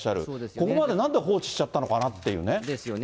ここまでなんで放置しちゃったのかなというね。ですよね。